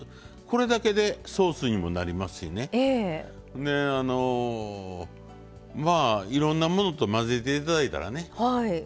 これだけでソースになりますしいろんなものと混ぜていただいたらね。